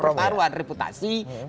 pertaruhan juga bagaimana kita mengangkat